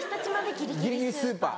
ギリギリスーパー。